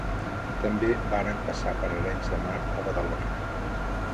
També varen passar per Arenys de Mar, o Badalona.